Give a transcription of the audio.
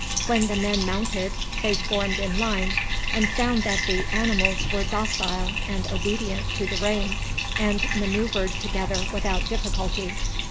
When the men mounted they formed in line, and found that the animals were docile and obedient to the rein, and maneuvered together without difficulty.